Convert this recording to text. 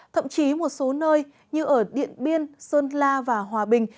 thậm chí một số nơi như ở điện biên sơn la và hòa bình